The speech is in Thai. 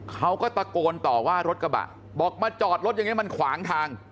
เขาก็ตะโกนต่อว่ารถกระบะบอกมาจอดรถอย่างนี้มันขวางทาง